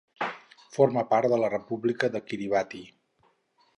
Forma part de la república de Kiribati.